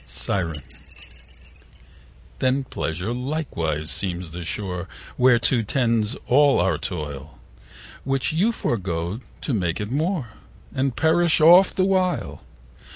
Siren.Then pleasure likewise seems the shore Whereto tends all your toil, Which you forgo to make it more, 35 And perish oft the while.